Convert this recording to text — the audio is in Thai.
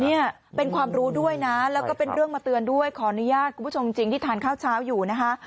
เนี่ยเป็นความรู้ด้วยนะแล้วก็เป็นเรื่องมาเตือนด้วยขออนุญาตคุณผู้ชมจริงที่ทานข้าวเช้าอยู่นะคะ